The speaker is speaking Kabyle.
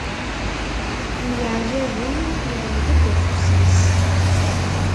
Myaɛjaben, iḍleb-d afus-is.